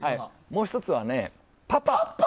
もう１つは、パパ。